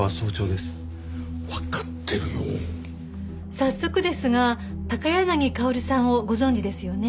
早速ですが高柳薫さんをご存じですよね？